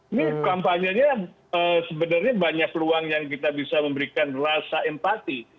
ini kampanyenya sebenarnya banyak peluang yang kita bisa memberikan rasa empati